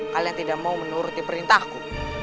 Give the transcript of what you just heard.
kalian tidak mau menuruti perintahku